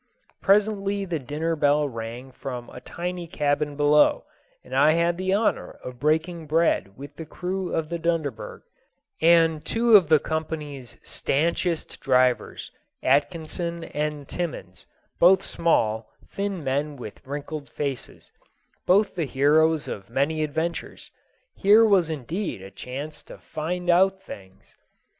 Presently the dinner bell rang from a tiny cabin below, and I had the honor of breaking bread with the crew of the Dunderberg and two of the company's stanchest divers, Atkinson and Timmans, both small, thin men with wrinkled faces, both the heroes of many adventures. Here was indeed a chance to find out things!